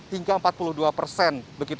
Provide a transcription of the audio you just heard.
hingga empat puluh dua persen